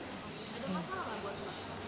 ada masalah buat ubat